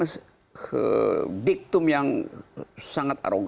sebuah kebunuh yang sangat agak berat